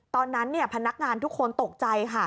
ตอนนั้นพนักงานทุกคนตกใจค่ะ